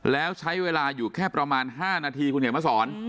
แล้วใช้เวลาอยู่แค่ประมาณ๕นาทีคุณเห็นมาสอน